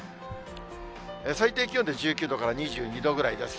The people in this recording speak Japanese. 最低気温で１９度から２２度ぐらいです。